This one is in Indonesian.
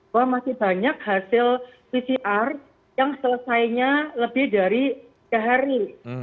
bahwa masih banyak hasil pcr yang selesainya lebih dari tiga hari